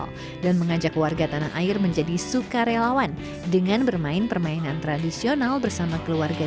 orang tua yang masuk ke minat anak remajanya